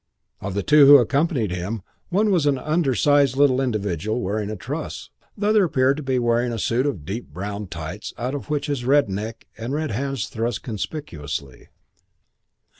Of the two who companioned him one was an undersized little individual wearing a truss, the other appeared to be wearing a suit of deep brown tights out of which his red neck and red hands thrust conspicuously.